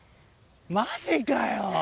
マジかよ。